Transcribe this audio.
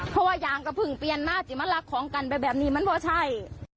เพราะว่าอยากกระพึงเปลี่ยนหน้าจะมารักของกันแบบนี้มันบอกว่าใช่